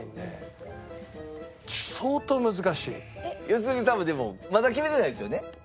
良純さんもでもまだ決めてないですよね？